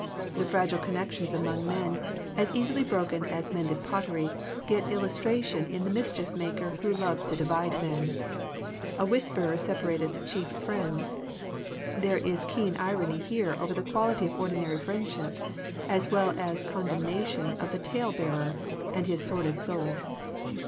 The fragile connections among men, as easily broken as mended pottery, get il lustration in the mischief maker who loves to divide men. *' A whisperer sep arateth chief friends." There is keen irony here over the quality of ordinary friendship, as well as condemnation of the tale bearer and his sordid soul.